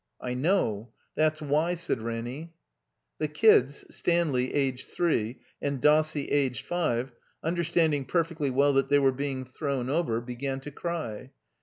"I know. That's why," said Ranny. The kids, Stanley, aged three, and Dossie, aged five, understanding perfectly well that they were being thrown over, began to cry.